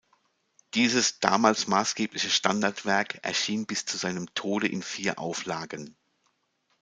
Dieses damals maßgebliche Standardwerk erschien bis zu seinem Tode in vier Auflagen.